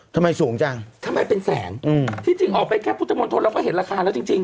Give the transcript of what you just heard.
ทำไมสูงจังทำไมเป็นแสนอืมที่จริงออกไปแค่พุทธมนตรเราก็เห็นราคาแล้วจริงจริง